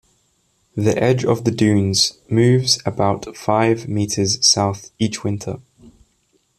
The edge of the dunes moves about five metres south each winter.